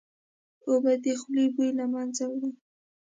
اوبه د خولې بوی له منځه وړي